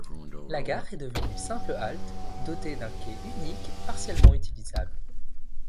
La gare est devenue simple halte, dotée d'un quai unique partiellement utilisable.